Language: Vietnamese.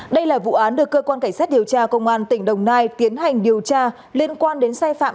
đây là vụ án được cơ quan cảnh sát điều tra công an tỉnh đồng nai tiến hành điều tra liên quan đến sai phạm